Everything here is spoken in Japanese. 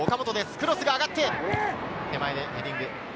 クロスが上がって、手前でヘディング。